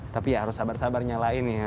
tapi ya harus sabar sabar nyalain ya